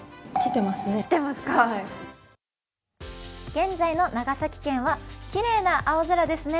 現在の長崎県はきれいな青空ですね。